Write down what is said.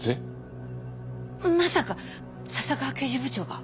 まさか笹川刑事部長が！？